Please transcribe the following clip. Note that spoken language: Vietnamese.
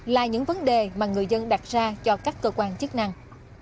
là những vấn đề mà người dân đặt ra cho các cơ quan chức năng